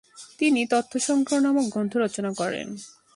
তিনি তত্ত্বসংগ্রহ নামক গ্রন্থ রচনা করেন।